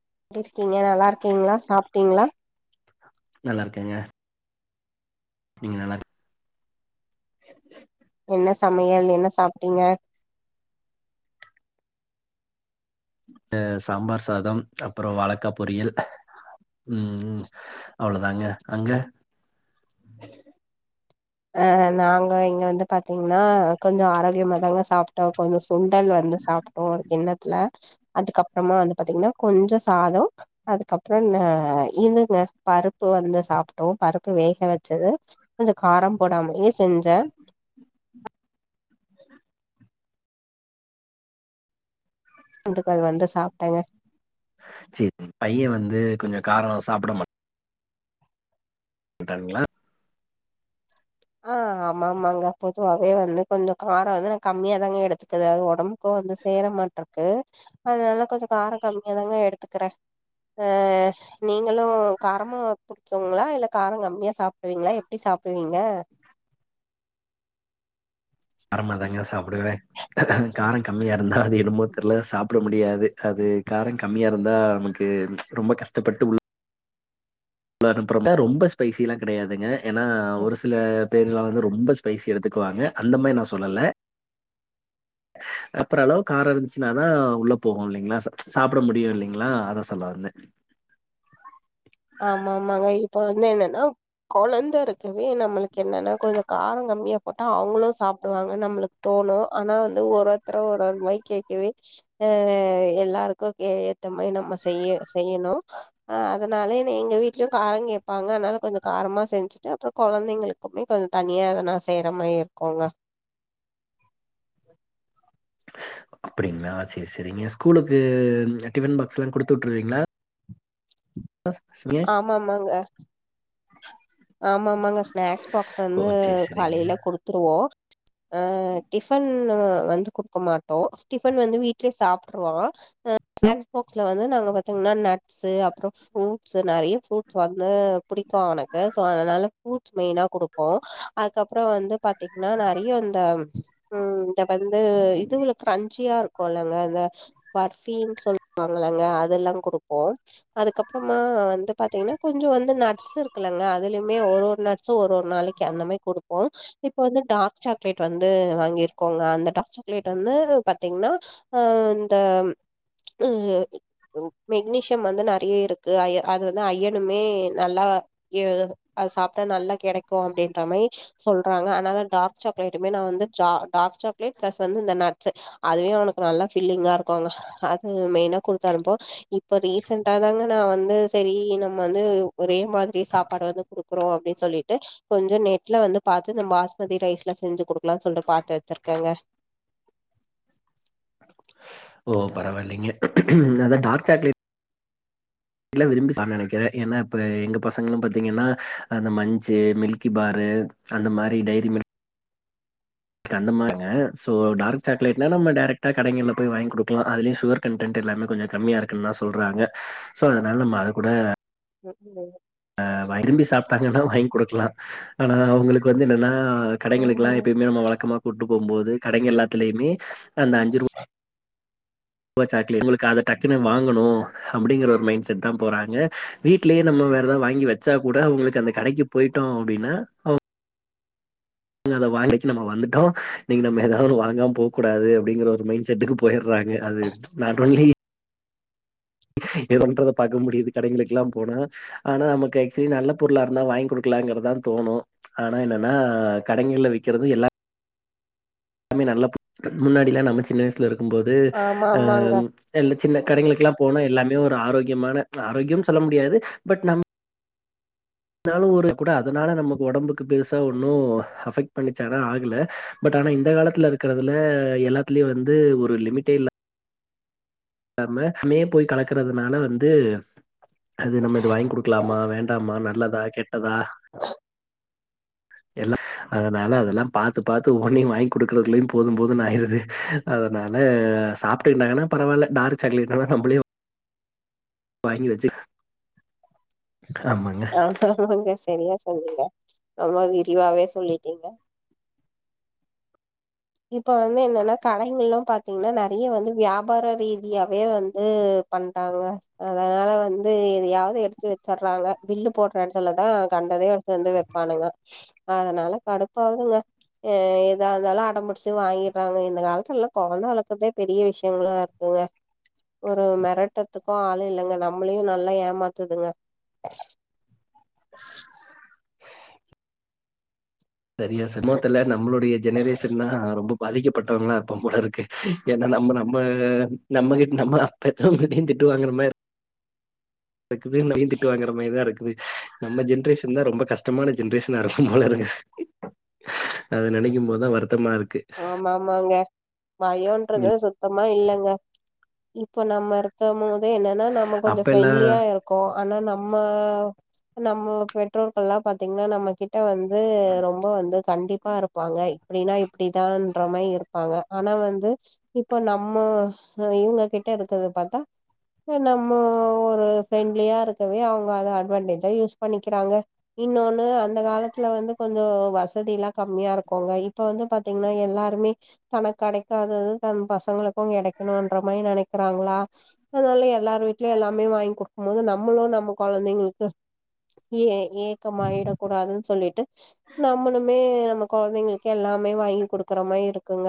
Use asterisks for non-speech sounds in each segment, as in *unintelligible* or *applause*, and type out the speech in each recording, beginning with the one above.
எப்பிடி இருக்கீங்க நல்லா இருக்கீங்களா சாப் டிங்களா நல்லா இருக்கேங்க நீங்க நல்லாரு என்ன சமையல் என்ன சாப்பிட்டீங்க ஆ சாம்பார் சாதம் அப்புறோ வாளக்கா பொரியல் உம் அவ்ளோதாங்க அங்க ஆ நாங்க இங்க வந்து பாத்தீங்கன்னா கொஞ்சோ ஆரோக்கியமதாங்க சாப்ட்டோ கொஞ்சோ சுண்டல் வந்து சாப்ட்டோ ஒரு கிண்ணத்துல அதுக்கப்பறமா வந்து பாத்தீங்கன்னா கொஞ்சு சாதோ அதுக்கப்பறோ ந இதுங்க பருப்பு வந்து சாப்ட்டோ பருப்பு வேக வச்சது கொஞ்சு காரம் போடாமலே செஞ்ச ந்துக்கள் வந்து சாப்டேங்க சேரி பையன் வந்து கொஞ்சோ காரோ சாப்ட மாட் மாட்டாங்களா ஆ ஆமாமாங்க பொதுவாவே வந்து கொஞ்சோ காரோ வந்து நா கம்மியாதாங்க எடுத்துக்குது அது ஒடம்புக்கும் வந்து சேர மாட்ருக்கு அதனால கொஞ்சோ காரோ கம்மியாதாங்க எடுத்துக்குறே ஆ நீங்களு காரமா புடிக்குங்களா இல்ல காரோ கம்மியா சாப்டுவீங்களா எப்டி சாப்டுவீங்க காரமா தாங்க சாப்டுவே காரோ கம்மியா இருந்தா அது என்னமோ தெரில சாப்ட முடியாது அது காரங்கம்மியா இருந்தா நமக்கு ரொம்ப கஷ்டப்பட்டு உள் உள்ள அனுப்புறோ அதுக்காக ரொம்ப ஸ்பைசில்லா கிடையாதுங்க ஏன்னா ஒரு சில பேர்லா வந்து ரொம்ப ஸ்பைசி எடுத்துக்குவாங்க அந்த மாரி நா சொல்லல அ ஓரளவு காரோ இருந்துச்சினாதா உள்ள போகு இல்லீங்களா சாப்ட முடியு இல்லீங்களா அதா சொல்ல வந்தேன் ஆமா ஆமாங்க இப்ப வந்து என்னன்னா கொழந்த இருக்கு நம்மளுக்கு என்னன்னா கொஞ்சோ காரோ கம்மியா போட்டா அவுங்களு சாப்டுவாங்க நம்மளுக்கு தோணு ஆனா வந்து ஒரு ஒருத்தர் ஒரு ஒரு மாரி கேக்கவே ஆ எல்லாருக்கு ஏத்த மாதிரி நம்ம செய்ய செய்யணு அத அதனால என்ன எங்க வீட்லயு காரங்கேப்பாங்க அதனால கொஞ்சோ காரமா செஞ்சிட்டு அப்றோ கொழந்தைங்களுக்குமே கொஞ்சோ தனியா அத நா செய்ற மாரி இருக்கோங்க அப்டிங்களா சேரி சேரிங்க ஸ்கூலுக்கு டிபன் பாக்ஸ்ல்லா குடுத்து உட்ருவீங்களா ஆமாமாங்க ஆமா ஆமாங்க ஸ்நாக்ஸ் பாக்ஸ் ஓ வந்து சேரி சேரிங்க. காலேல குடுத்துருவோ ஆ டிஃபன் வந்து குடுக்க மாட்டோ டிஃபன் வந்து வீட்லே சாப்ட்ருவான் ஆ ஸ்நாக்ஸ் பாக்ஸ்ல வந்து நாங்க பாத்தீங்கன்னா நட்ஸு அப்றோ ஃப்ரூட்ஸு நெறய ஃப்ரூட்ஸ் வந்து புடிக்கு அவனுக் சோ அதனால ஃப்ரூட்ஸ் மெயினா குடுப்போ அதுக்கப்றோ வந்து பாத்தீங்கன்னா நெறய இந்த ம் இத வந்து இது இவ்ளோ கிரஞ்சியா இரு போலங்க அந்த பர்பின்னு சொல்வாங்களங்க அதெல்லா குடுப்போ அதுக்கப்பறமா வந்து பாத்தீங்கன்னா கொஞ்சோ வந்து நட்ஸு இரு இருக்குல்லங்க அதுலியுமே ஒரு ஒரு நட்ஸும் ஒரு ஒரு நாளைக்கி அந்த மாரி கொடுப்போ இப்ப வந்து டார்க் சாக்லேட் வந்து வாங்கிருக்கோங்க அந்த டார்க் சாக்லேட் வந்து பாத்தீங்கன்னா ஆ இந்த ஆ மெக்னீசியம் வந்து நெறய இருக்கு அய அது வந்து அயனுமே நல்லா எ அது சாப்ட்டா நல்லா கெடைக்கு அப்டின்ற மாரி சொல்றாங்க அதனால டார்க் சாக்லேட்டுமே நா வந்து சா டார்க் சாக்லேட் பிளஸ் வந்து இந்த நட்ஸு அதுவே அவனுக்கு நல்லா ஃபில்லிங்கா இருக்குங்க அது மெயினா குடுத்தனுப்புவோ இப்ப ரீசண்டா தாங்க நா வந்து சேரி நம்ம வந்து ஒரே மாதி இதே சாப்பாடு வந்து குடுக்குறோ அப்டின்னு சொல்லிட்டு கொஞ்சோ நெட்ல வந்து பாத்து இந்த பாஸ்மதி ரைஸ்லா செஞ்சி குடுக்கலாம்னு சொல்ட்டு பாத்து வச்சிருக்கேங்க ஓ பரவால்லைங்க அதா டார்க் சாக்லேட் ல்லா விரும்பி சாப்டுவான் நெனைக்கிறே ஏன்னா இப்ப எங்க பசங்களும் பாத்தீங்கன்னா அந்த மன்ச்சு மில்கி பாரு அந்த மாரி டைரி மில்க் அந்தமாங்க சோ டார்க் சாக்லேட்னா நம்ம டேரக்டா கடைங்கள்ல போய் வாங்கி் குடுக்கலா அதுலயு சுகர் கன்டென்ட் எல்லாமே கொஞ்சோ கம்மியா இருக்குன்னு தா சொல்றாங்க சோ அதனால நம்ம அது கூட ம் விரும்பி சாப்ட்டாங்கன்னா வாங்கி குடுக்கலாம். ஆனா அவுங்களுக்கு வந்து என்னன்னா ஆ கடைங்களுக்குலா ம் எப்பயுமே நம்ம வழக்கமா கூட்டு போம்போது கடைங்க எல்லாத்துலயுமே அந்த அஞ்சிரூ வா சாக்லேட் உங்களுக்கு அத டக்குனு வாங்கணு அப்டிங்கிற ஒரு மைண்ட்செட் தா போறாங்க வீ்ட்லயே நம்ம வேற எதாது வாங்கி வச்சா கூட அவங்களுக்கு அந்த கடைக்கு போயிட்டோ அப்டின்னா அவ கடைக்கு நம்ம வந்துட்டோ இன்னக்கி *unintelligible* நம்ம வந்துட்டோ இன்னிக்கி நம்ம ஏதாவது வாங்காம போ கூடாது அப்டிங்கிற ஒரு மைண்ட் செட்டுக்கு போய் றாங்க அது நாட் ஒன்லி ஏதோன்றத பாக்க முடியுது கடைங்களுக்குலா போனா ஆனா நமக்கு ஆக்சுவலி நல்ல பொருளா இருந்தா வாங்கி குடுக்கலாங்கறதா தோணு ஆனா என்னன்னா கடைங்கள்ல விக்கிறது எல்லா எல்லாமே நல்ல முன்னாடிலா நம்ம சின்ன வயசுல இருக் க்கும் போது ஆமா ஆமாங்க எல்லா சின்ன கடைங்களுக்குல்லா போனா எல்லாமே ஒரு ஆரோக்கியமான ஆரோக்கியம் சொல்ல முடியாது பட் நம் இருநதாலும் ஒரு கூட அதனால நமக்கு உடம்புக்கு பெருசா ஒன்னும் அஃபெக்ட் பண்ணிச்சனா ஆகல பட் ஆனா இந்த காலத்துல இருக்கறதுல எல்லாத்துலயு வந்து ஒரு லிமிட்டே இல்ல இல்லாம ஸ்மே போய் கலக்கறதுனால வந்து அது நம்மது வாங்கி குடுக்லாம் மா வேண்டாமா நல்லதா கெட்ட கெட்டதா எல்லா அதனால அதெல்லா பாத்து பாத்து ஒனையும் வாங்கி குடுக்கறதுலையும் போதும் போதும் ஆயிருது அதனால சாப்ட்டுட்டாங்கன்னா பரவாயில்ல டார்க் சாக்லேட்னா நம்மளேயும் வாங்கி வச்சு ஆமாங்க. உங்க சரியா சொன்னீங்க ரொம்பவிரிவாவே சொல்லிட்டீங்க இப்ப வந்து என்னன்னா கடைகள்ல்லாம் பாத்தீங்கன்னா நிறைய வந்து வியாபார ரீதியாவே வந்து பண்றாங்க அதனால வந்து எதையாவது எடுத்து வச்சர்றாங்க பில்லு போடுற இடத்துலதான் கண்டதே எடுத்து வந்து வைப்பானுங்க அதனால கடுப்பாவதுங்க அஹ் ஏதா இருந்தாலு அடம்படி டிச்சு வாங்கிடுறாங்க இந்த காலத்துல எல்லா குழந்த வளர்க்கிறதே பெரிய விஷயங்களா இருக்குங்க ஒரு மிரட்டத்துக்கோ ஆள் இல்லைங்க நம்மளையு நல்லா ஏமாத்துங்க சரியா சமுகத்துல நம்மளுடைய ஜெனரேஷன்லா ரொம்ப பாதிக்கப்பட்டவங்களா இருப்போம் போல இருக்கு ஏன்னா நம்ம நம்ம நம்மகிட்ட நம்ம பெத்தவங்க கிட்டயும் திட்டு வாங்குறமார் இருக் இருக்குது வீட்டுக்கு வாங்கற மாதிரிதான் இருக்கு நம்ம ஜென்ரேஷன் தான் ரொம்ப கஷ்டமான ஜென்ரேஷனா இருக்கு போல இருக்கு அத நினைக்கும் போதுதான் வருத்த ஆமாமாங்க பயோன்றது சுத்தம் இல்லங்க இப்ப நம்ம இருக்க மோ என்னன்னா நம்ம கொஞ்சம் அப்பல்லாம் ஃப்ரெண்ட்லியா இருக்கோ ஆனா நம்ம நம்ம பெற்றோர்கள்ல்லா பாத்தீங்கன்னா நம்ம கிட்ட வந்து ரொம்ப வந்து கண்டிப்பா இருப்பாங்க இப்படின்னா அப்படிதான்ற மாதிரி இருப்பாங்க ஆனா வந்து இப்போ நம்ம இவங்க கிட்ட இருக்கது பாத்தா நம்ம ஒரு ஃப்ரெண்ட்லியா இருக்கவே அவங்க அதை அட்வான்டேஜா யூஸ் பண்ணிக்கிறாங்க இன்னொன்னு அந்த காலத்துல வந்து கொஞ்ச வசதிலா கம்மியா இருக்கோங்க இப்ப வந்து பாத்தீங்கன்னா எல்லாருமே தனக்கு கிடைக்காதது தன் பசங்களுக்கும் கிடைக்கணும்ன்ற மாதிரி நினைக்கிறாங்களா அதனாலயே எல்லார் வீடலயும் எல்லாமே வாங்கி குடுக்கும் போது நம்மளும் நம்ம குழந்தைங்களுக்கு ஏ ஏக்கமாயிடக்கூடாதுன்னு சொல்லிட்டு நம்மளுமே நம்ம குழந்தைங்களுக்கு எல்லாம மே வாங்கி குடுக்குற மாதிரி இருக்குங்க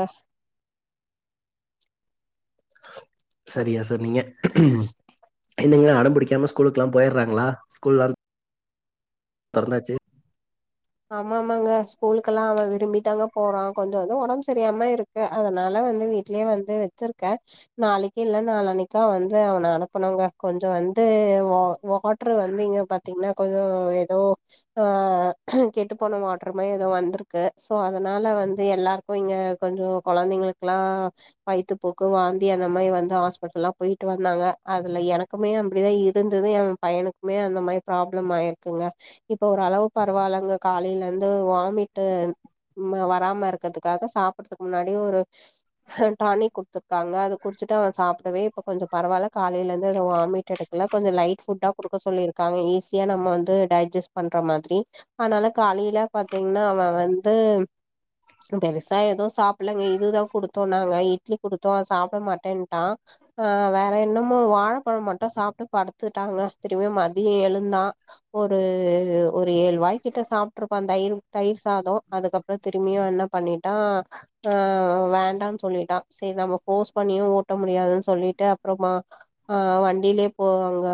சரியா சொன்னீங்க உம் என்னங்க அட பிடிக்காம ஸ்கூலுக்குலாம் போய்டுறாங்களா ஸ்கூல்லா தொறந்தாச்சு ஆமா ஆமாங்க ஸ்கூலுக்கெல்லாம் அவன் விரும்பி தாங்க போறான் கொஞ்சம் வந்து உடம்பு சரியாம இருக்கு அதனால வந்து வீடலயே வந்து வச்சிருக்கேன் நாளைக்கு இல்ல நாலனைக்கா வந்து அவனை அனுப்பனுங்க கொஞ்சம் வந்து வாட்ரு வந்து இங்க பாத்தீங்கன்னா கொஞ்சம் ஏதோ ஆஹ் கெட்டு போன வாட்டரு மாதிரி எதுவும் வந்ருக்கு ஸோ அதனால் வந்து எல்லாருக்கு இங்கே கொஞ்ச குழந்தைங்களுக்லா வயித்துபோக்கு வாந்தி அந்த மாதிரி வந்து ஹாஸ்பிட்டலாம் போய்ட்டு வந்தாங்க அதில் எனக்குமே அப்படிதான் இருந்தது என் பையனுக்குமே அந்த மாதிரி ப்ராப்ளம் ஆகிருக்குங்க இப்போ ஓரளவு பர பரவாயில்லங்க காலையிலருந்து வாமிட்டு் வராம இருக்கிறதுக்காக சாப்படுறதுக்கு முன்னாடி ஒரு டானி்க் குடுத்துருக்காங்க அது குடிச்சுட்டு அவன் சாப்பிடவே இப்ப கொஞ்ச பரவாயில்ல காலையிலருந்து அத வாமிட் எடுக்கல கொஞ்ச லைட் ஃபுட்டா குடுக்க சொல்லியிருக்காங்க ஈஸியா நம்ம வந்து டைஜஸ்ட் பண்ற மாதிரி ஆனாலும் காலையில பாத்தீங்கன்னா அவன் வந்து பெருசா ஏதோ சாப்பலங்க இதுதான் குடுத்தோம் நாங்க இட்லி குடுத்தோம் அத சாப்பிட மாட்டேன்ட்டான் ஆஹ் வேற என்னமும் வாழைப்பழம் மட்டும் சாப்பிட்டு படுத்துட்டாங்க திரும்ப மதியம் எழுந்தான் ஒரு ஏழ்வாய்கிட்ட சாப்ட்டு இருப்பான் தயிர் தயிர் சாதம் அதுக்கப்புறம் திரும்பியும் என்ன பண்ணிட்டான்ஹ வேண்டாம்னு சொல்லிட்டான் சேரி நம்ம ஃபோர்ஸ் பண்ணியும் ஊட்ட முடியாதுன்னு சொல்லிட்டு அப்புறமா வண்டியிலயே போங்க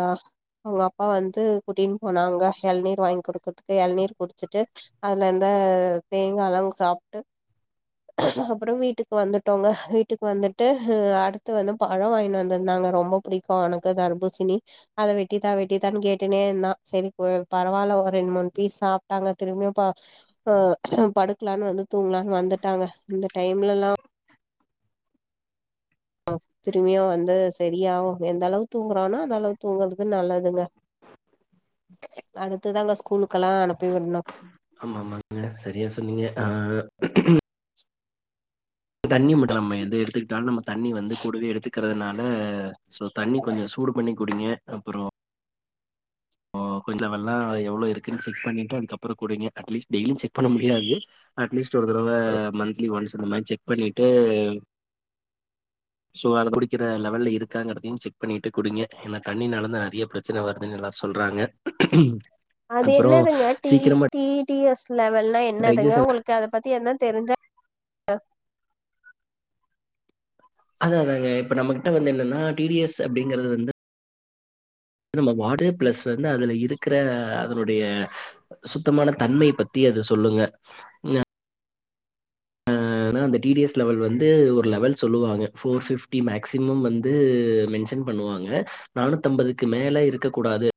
அவங்க அப்பா வந்து கூட்டினு போனாங்க இளநீர் வாங்கி குடுக்க க்கு இளநீர் குடிச்சுட்டு அதுல இருந்த தேங்காலாம் சாப்பிட்டு அப்புறம் வீட்டுக்கு வந்துட்டோங்க வீட்டுக்கு வந்துட்டு அடுத்து வந்து பழம் வாங்கி வந்திருந்தாங்க ரொம்ப பிடிக்கு அவனக்கு தர்பூசினி அத வெட்டிதான் வெட்டிதான்னு கேட்டுனே இருந்தான் சரி பரவாயில்ல ரெண்டு மூணு பீஸ் சாப்ட்டாங்க திரும்பியு படுக்கலான்னு வந்து தூங்கலான்னு வந்துட்டாங்க இந்த டைம்லலாம் திரும்பியும் வந்து சரியாவும் எந்த அளவு தூங்கறானா அந்த அளவு தூங்குறதுக்கு நல்லதுங்க அடுத்துதாங்க ஸ்கூலுக்கலா அனுப்பி விடணும் ஆமா ஆமாங்க செரியா சொன்னீங்க ஆஹ் தண்ணி மட்டும் நம்ம எது எடுத்துக்கிட்டாலு நம்ம தண்ணி வந்து கூடவே எடுத்துக்கறதுனால சோ தண்ணி கொஞ்சோ சூடு பண்ணி குடிங்க அப்பறோ போ கொஞ்சோ *unintelligible* எவ்ளோ இருக்குனு செக் பண்ணிட்டு அதுக்கப்புறோ குடிங்க அட்லீஸ் டெய்லியும் செக் பண்ண முடியாது அட்லீஸ்ட் சொரு தடவ மந்த்லி ஒன்ஸ் இந்த மாரி செக் பண்ணிட்டு சோ அத குடிக்கிற லெவல்ல இருக்காங்கறதையு செக் பண்ணிட்டு குடிங்க ஏன்னா தண்ணினாலந்தான் நெறயா பிரச்சன வருது எல்லா சொல்றாங்க அது அப்புறம் என்னதுங்க டி சீக்கிரமா டி டிஎஸ் லெவல்னா என்னதுங்க டைஜஷன் உங்களுக்கு அத பத்தி எதனா தெரிஞ்சா ஆ அதான் அதாங்க இப்ப நம்மகிட்ட வந்து என்னன்னா டிடிஎஸ் அப்டிங்கிறது வந்து நம்ம வாடு ப்ளஸ் துன்ன அதுல இருக்கிற அதனுடைய சுத்தமான தன்மை பத்தி அது சொல்லுங்க நா ஆனா அந்த டிடிஎஸ் லெவல் வந்து ஒரு லெவல் சொல்லுவாங்க ஃபோர் ஃபிப்டி மேக்சிமம் வந்து மென்ஷன் பண்ணுவாங்க நானூத்தம்பதுக்கு மேல இருக்க கூடாது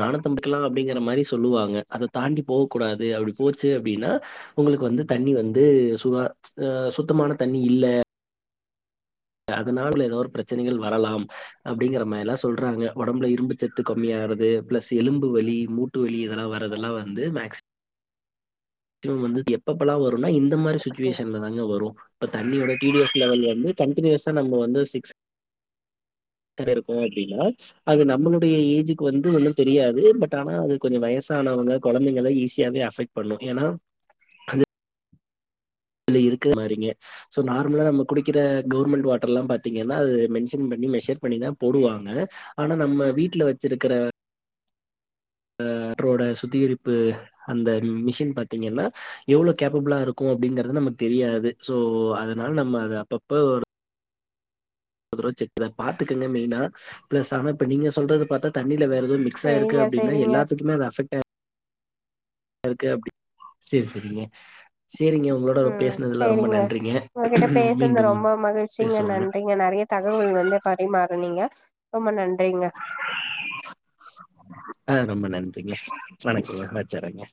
நானூத்தம்பதுக்குலா அப்டிங்கற மாரி சொல்லுவாங்க அத தாண்டி போகூடாது அப்டி போச்சு அப்டின்னா உங்களுக்கு வந்து தண்ணி வந்து சுகா ஆஹ் சுத்தமான தண்ணி இல்ல அதனால ஏதோ ஒரு பிரச்சனைகள் வரலாம் அப்டிங்கற மாரிலாம் சொல்றாங்க ஒடம்புல இரும்பு சத்து கம்மியாறது பிளஸ் சி எலும்பு வலி மூட்டு வலி அதெல்லாம் வரதெல்லாம் வந்து மேக்சி க்சிமம் வந்து எப்பப்பலான் வரு ருனா இந்த மாரி சுச்சுவேஷன்ல தாங்க வரும் பத் தண்ணியோட டிடிஎஸ் லெவல் வந்து கண்டினியூஸா நம்ம வந்து சிக்ஸ் தர இருக்கும் அப்டின்னா அது நம்மளுடைய ஏஜிக்கு வந்து ஒன்னும் தெரியாது பட் ஆனா அது கொஞ்சோ வயசானவங்க கொலந்தைங்கலா ஈஸியாவே அஃபெக்ட் பண்ணும் ஏன்னா அது ல இருக்குற மாரிங்க சோ நார்மலா நம்ம குடிக்கிற கவுர்மெண்ட் வாட்டர்லாம் பாத்தீங்கன்னா அது மென் ஷர்மண்ட் *unintelligible* பண்ணி மெஷர் பண்ணி தான் போடுவாங்க ஆனா நம்ம வீட்ல வச்சிருக்கிற ஆஹ் வட்டரோட சுத்திகரிப்பு அந்த மிஷின் பாத்தீங்கன்னா எவ்ளோ கேப்பபளா இருக்கும் அப்படிங்கறத நமக்கு தெரியாது சோ அதனால் நம்ம அது அப்பப்ப ஒரு ஒருதரவ செக் பாத்துக்கங்க மெயின்னா பிளஸ் ஆனா இப்ப நீங்க சொல்றது பாத்தா த தண்ணில வேற எதோ மிகஸு ஆயிருக்கு சரிங்க அப்டின்னா சரிங்க எல்லாத்துக்குமே அது அபெக்ட்டு இருக்கு அப்டி செரி செரிங்க செரிங்க உங்களோட ரொ ஆஹ் செரிங்க உங்ககிட்ட பேசனது மீண்டும் ரொம்ப மகிழ்ச்சிங்க பேசுவோங்க நன்றிங்க நெறயா தகவல் வந்து பரிமாறனீங்க ரொம்ப நன் ஆ ரொம்ப நன்றிங்க வணக்கங்க வச்சறேங்க